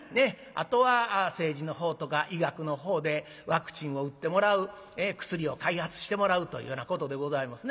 あとは政治のほうとか医学のほうでワクチンを打ってもらう薬を開発してもらうというようなことでございますね。